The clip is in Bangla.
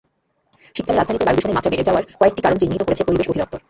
শীতকালে রাজধানীতে বায়ুদূষণের মাত্রা বেড়ে যাওয়ার কয়েকটি কারণ চিহ্নিত করেছে পরিবেশ অধিদপ্তর।